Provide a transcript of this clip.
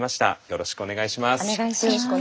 よろしくお願いします。